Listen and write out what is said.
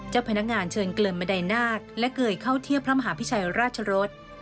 เจ้าพนักงานเชิญเกลินบันไดนาคและเกยเข้าเทียบพระมหาพิชัยราชรส